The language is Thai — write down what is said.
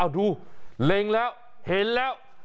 ดูเล็งแล้วเห็นแล้ว